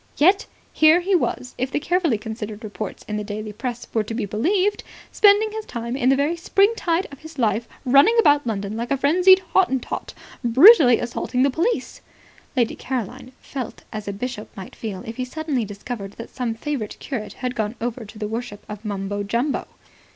Yet, here he was, if the carefully considered reports in the daily press were to be believed, spending his time in the very spring tide of his life running about London like a frenzied Hottentot, brutally assaulting the police. Lady Caroline felt as a bishop might feel if he suddenly discovered that some favourite curate had gone over to the worship of Mumbo Jumbo.